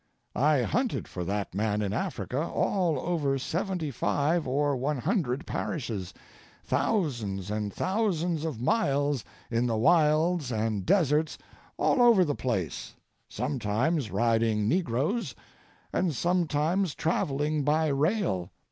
I hunted for that man in Africa all over seventy five or one hundred parishes, thousands and thousands of miles in the wilds and deserts all over the place, sometimes riding negroes and sometimes travelling by rail.